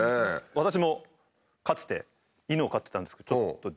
私もかつて犬を飼ってたんですけどちょっと。